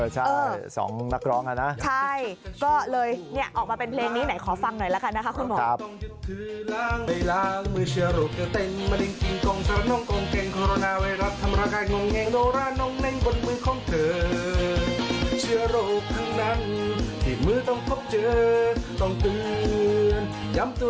ใช่สองนักร้องนะใช่ก็เลยออกมาเป็นเพลงนี้ไหนขอฟังหน่อยละกันนะคะคุณหมอ